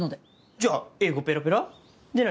じゃあ英語ペラペラ？で何？